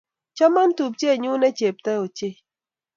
Choma tupchet nyu ne chepto ochei